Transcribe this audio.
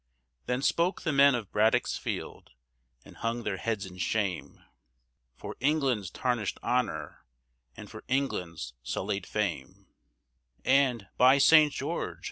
Then spoke the men of Braddock's Field, and hung their heads in shame, For England's tarnished honor and for England's sullied fame; "And, by St. George!"